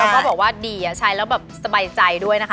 ก็บอกว่าดีใช้แล้วแบบสบายใจด้วยนะคะ